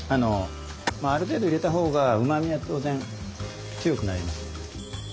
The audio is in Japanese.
まあある程度入れた方がうまみは当然強くなります。